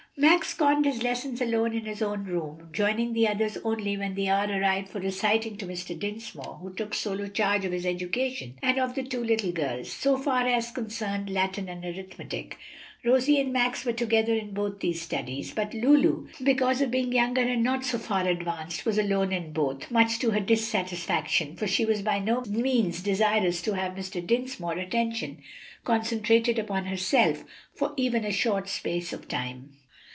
Max conned his lessons alone in his own room, joining the others only when the hour arrived for reciting to Mr. Dinsmore, who took sole charge of his education, and of the two little girls, so far as concerned Latin and arithmetic. Rosie and Max were together in both these studies, but Lulu because of being younger and not so far advanced was alone in both, much to her dissatisfaction, for she was by no means desirous to have Mr. Dinsmore's attention concentrated upon herself for even a short space of time.